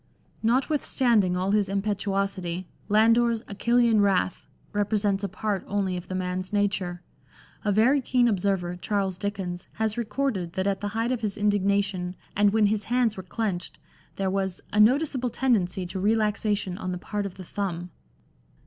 Notwithstanding all his impetuosity, Landor's " Achillean wrath " represents a part only of the man's nature. A very keen observer, Charles Dickens, has recorded that at the height of his indignation, and when his hands were clenched, there was " a noticeable tendency to relaxation on the part of the thumb."